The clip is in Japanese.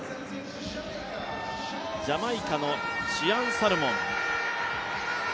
ジャマイカのシアン・サルモン。